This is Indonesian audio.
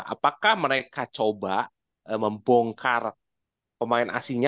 apakah mereka coba membongkar pemain asingnya